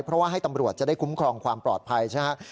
เพราะว่าให้ตำรวจจะได้คุ้มครองความปลอดภัยใช่ไหมครับ